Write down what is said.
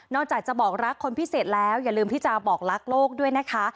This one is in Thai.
จากจะบอกรักคนพิเศษแล้วอย่าลืมที่จะบอกรักโลกด้วยนะคะ